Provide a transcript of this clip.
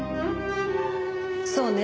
そうね。